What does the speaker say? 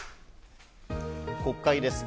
国会です。